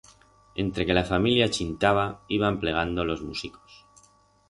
Entre que la familia chintaba, iban plegando los musicos.